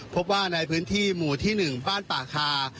พบว่าในพื้นที่หมู่ที่๑บ้านป่าคา